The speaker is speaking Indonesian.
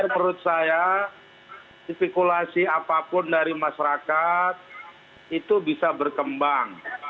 menurut saya spekulasi apapun dari masyarakat itu bisa berkembang